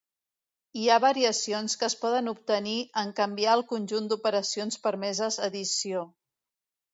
Hi ha variacions que es poden obtenir en canviar el conjunt d'operacions permeses edició.